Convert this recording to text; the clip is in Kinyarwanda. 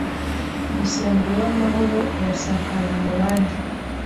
umusemburo w’amahoro ayasakaza mu bandi